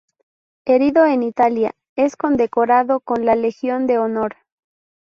Herido en Italia, es condecorado con la Legión de honor.